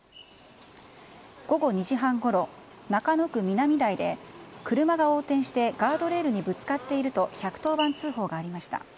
午後２時半ごろ中野区南台で車が横転してガードレールにぶつかっていると１１０番通報がありました。